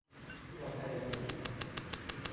要猜燈謎